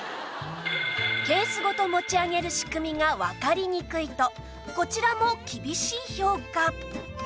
ケースごと持ち上げる仕組みがわかりにくいとこちらも厳しい評価